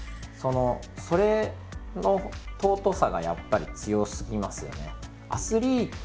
それの尊さがやっぱり強すぎますよね。